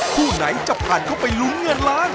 คู่ไหนจะผ่านเข้าไปลุ้นเงินล้าน